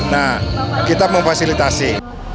nah kita memfasilitasi